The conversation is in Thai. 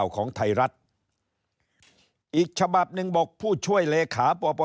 คลิป